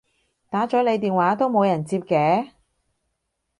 打咗你電話都冇人接嘅